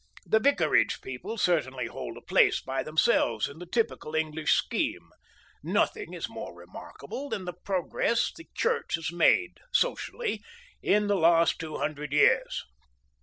The vicarage people certainly hold a place by themselves in the typical English scheme; nothing is more remarkable than the progress the Church has made—socially—in the last two hundred years.